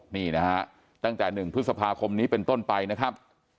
นี่นะฮะตั้งแต่๑พฤษภาคมนี้เป็นต้นไปนะครับ